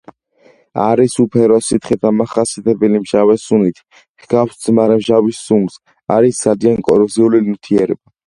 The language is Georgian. არის უფერო სითხე დამახასიათებელი მჟავე სუნით, ჰგავს ძმარმჟავის სუნს, არის ძალიან კოროზიული ნივთიერება.